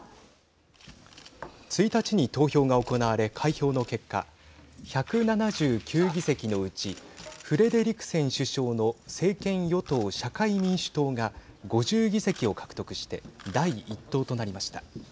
１日に投票が行われ開票の結果、１７９議席のうちフレデリクセン首相の政権与党・社会民主党が５０議席を獲得して第１党となりました。